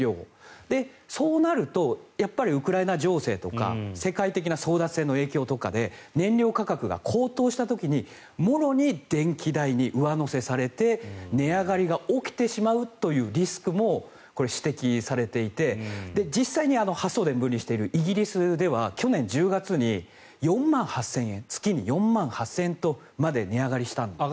そうなると、やっぱりウクライナ情勢とか世界的な争奪戦の影響とかで燃料価格が高騰した時にもろに電気代に上乗せされて値上がりが起きてしまうというリスクも指摘されていて実際に発送電分離しているイギリスでは去年１０月に月に４万８０００円まで値上がりしたんです。